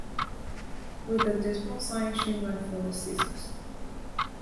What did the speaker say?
With a dismal sigh she went for the scissors.